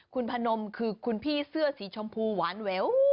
คุณพนมคือคุณพี่เสื้อสีชมพูหวานแวว